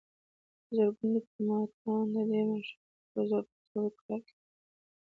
په زرګونو ډیپلوماتان د دې ماشین د پرزو په توګه کار کوي